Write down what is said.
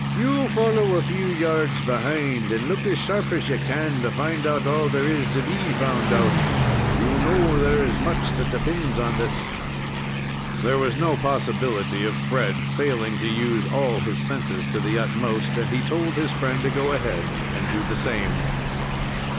"You follow a few yards behind and look as sharp as you can to find out all there is to be found out. You know there is much that depends on this." There was no possibility of Fred failing to use all his senses to the utmost, and he told his friend to go ahead and do the same.